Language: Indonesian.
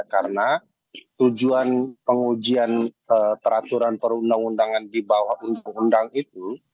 karena tujuan pengujian peraturan perundang undangan di bawah undang undang itu